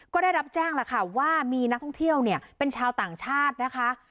ก็ได้รับแจ้งแล้วค่ะว่ามีนักท่องเที่ยวเนี่ยเป็นชาวต่างชาตินะคะ